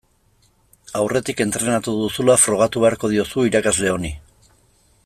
Aurretik entrenatu duzula frogatu beharko diozu irakasle honi.